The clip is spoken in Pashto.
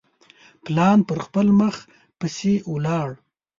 پلان پر خپل مخ پسي ولاړ.